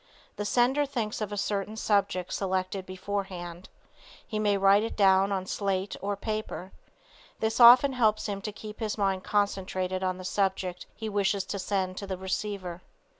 The sender thinks of a certain subject selected before hand. He may write it down on slate or paper. This often helps him to keep his mind concentrated on the subject he wishes to send to the receiver.